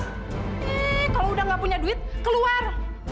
eh kalau udah nggak punya duit keluar